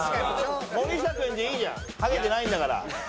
森下君でいいじゃんハゲてないんだから。